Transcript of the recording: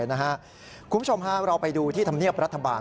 คุณผู้ชมฮะเราไปดูที่ธรรมเนียบรัฐบาล